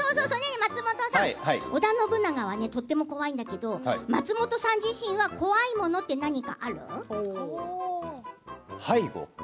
松本さん、織田信長はとても怖いんだけど松本さん自身は怖いものって何かある。